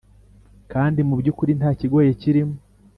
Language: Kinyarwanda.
kandi mu byukuri nta kigoye kirimo